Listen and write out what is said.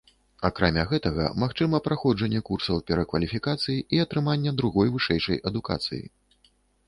Акрамя гэтага, магчыма праходжанне курсаў перакваліфікацыі і атрымання другой вышэйшай адукацыі.